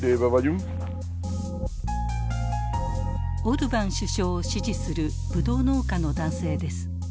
オルバン首相を支持するブドウ農家の男性です。